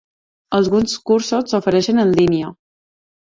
Alguns cursos s'ofereixen en línia.